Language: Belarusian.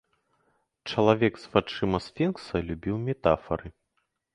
Чалавек з вачыма сфінкса любіў метафары.